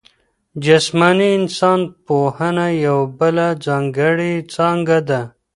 جسماني انسان پوهنه یوه بله ځانګړې څانګه ده.